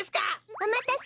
おまたせ。